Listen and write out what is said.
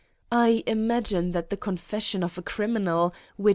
I imagine, that the confession of a criminal, which 6^.